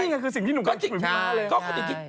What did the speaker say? ก็นี่ไงคือสิ่งที่หนูก็คิดมากเลย